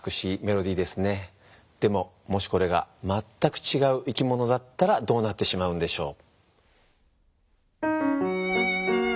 でももしこれがまったくちがう生き物だったらどうなってしまうんでしょう？